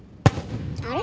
あれ？